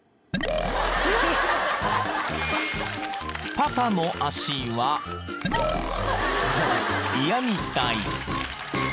［パパの足は嫌みたい］